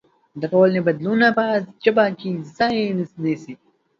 د ټولنې بدلونونه په ژبه کې ځای نيسي.